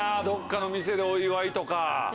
どっかの店でお祝いとか。